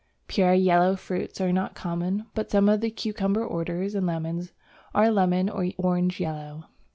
Pure yellow fruits are not common, but some of the Cucumber orders and Lemons are lemon or orange yellow.